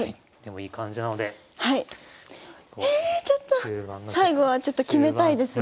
ちょっと最後はちょっと決めたいですね。